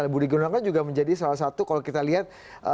budi gunakan juga menjadi salah satu kalau kita lihat